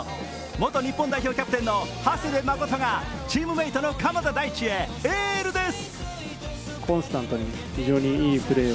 元日本代表キャプテンの長谷部誠がチームメートの鎌田大地へエールです。